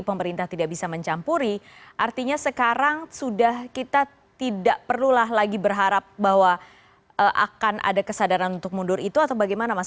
pemerintah tidak bisa mencampuri artinya sekarang sudah kita tidak perlulah lagi berharap bahwa akan ada kesadaran untuk mundur itu atau bagaimana mas